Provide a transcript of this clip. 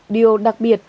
điều đặc biệt